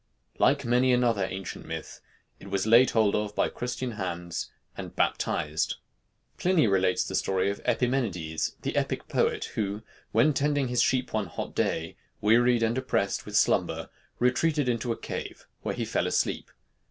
Like many another ancient myth, it was laid hold of by Christian hands and baptized. Pliny relates the story of Epimenides the epic poet, who, when tending his sheep one hot day, wearied and oppressed with slumber, retreated into a cave, where he fell asleep.